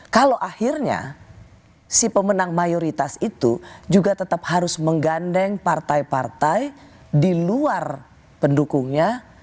kalau akhirnya si pemenang mayoritas itu juga tetap harus menggandeng partai partai di luar pendukungnya